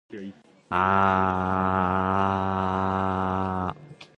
Laccase can be eliminated by sorting the grapes.